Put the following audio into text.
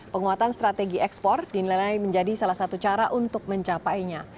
penguatan strategi ekspor dinilai menjadi salah satu cara untuk mencapainya